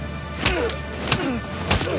うっ。